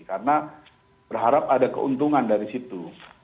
karena berharap ada keuntungan dari situ